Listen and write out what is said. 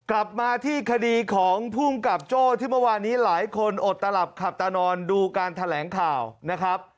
กลับมาที่คดีของภูมิกับโจ้ที่เมื่อวานนี้หลายคนอดตลับขับตานอนดูการแถลงข่าวนะครับ